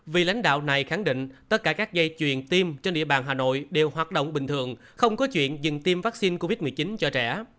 vì lãnh đạo này khẳng định tất cả các dây chuyền tiêm trên địa bàn hà nội đều hoạt động bình thường không có chuyện dừng tiêm vaccine covid một mươi chín cho trẻ